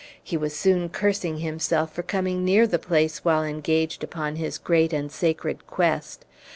He was soon cursing himself for coming near the place while engaged upon his great and sacred quest.